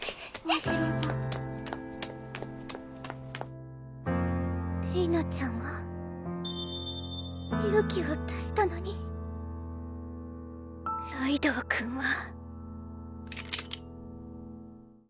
大城されいなちゃんは勇気を出したのにライドウ君は。